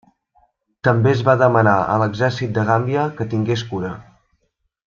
També es va demanar a l'exèrcit de Gàmbia que tingués cura.